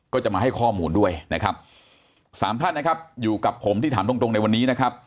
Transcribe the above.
ก็จะมาให้ข้อมูลด้วยนะครับสามท่านนะครับอยู่กับผมที่ถามตรงตรงในวันนี้นะครับ